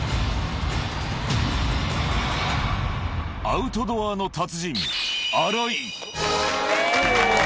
アウトドアの達人、荒井。